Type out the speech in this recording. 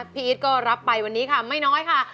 พี่อีทก็รับไปวันนี้ค่ะไม่น้อยค่ะ